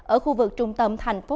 ở khu vực trung tâm thành phố